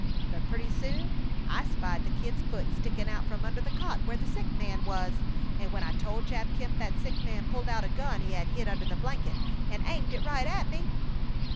But pretty soon I spied the Kid's foot stickin' out from under the cot where the sick man was, and when I told Jap Kemp that sick man pulled out a gun he had under the blanket and aimed it right at me!"